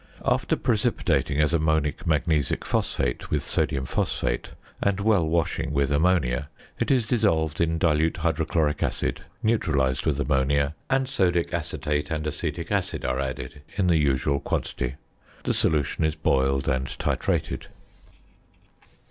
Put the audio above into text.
After precipitating as ammonic magnesic phosphate with sodium phosphate, and well washing with ammonia, it is dissolved in dilute hydrochloric acid, neutralised with ammonia, and sodic acetate and acetic acid are added in the usual quantity. The solution is boiled and titrated.